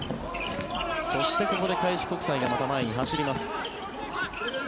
そして、ここで開志国際がまた前に走ります。